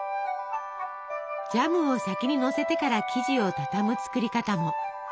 ジャムを先にのせてから生地をたたむ作り方も。